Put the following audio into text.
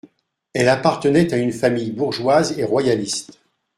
Elle appartenait à une famille bourgeoise et royaliste.